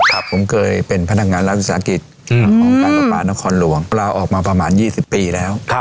ผมเคยเป็นพนักงานรัฐศักดิ์ศาสตร์กิจออกมาประมาณ๒๐ปีแล้ว